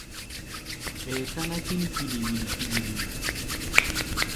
Ɓɛɛ táná kín kili-wili kili-wili.